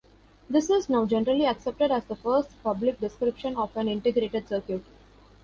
This is now generally accepted as the first public description of an integrated circuit.